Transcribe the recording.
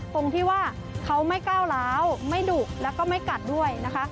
ตรงที่ว่าเขาไม่ก้าวร้าวไม่ดุแล้วก็ไม่กัดด้วยนะคะ